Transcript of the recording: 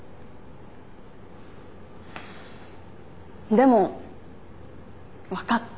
でも分かった。